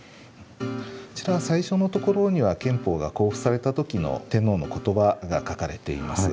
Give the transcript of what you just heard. こちら最初のところには憲法が公布された時の天皇の言葉が書かれています。